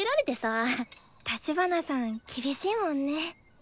立花さん厳しいもんね。